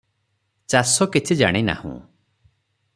ଚାଷ କିଛି ଜାଣି ନାହୁଁ ।